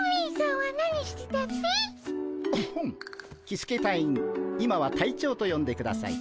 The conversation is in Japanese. キスケ隊員今は隊長とよんでください。